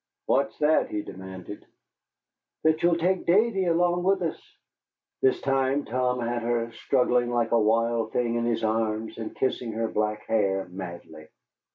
"What's that?" he demanded. "That you'll take Davy along with us." This time Tom had her, struggling like a wild thing in his arms, and kissing her black hair madly.